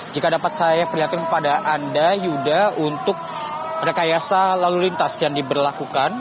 jika dapat saya perlihatkan kepada anda yuda untuk rekayasa lalu lintas yang diberlakukan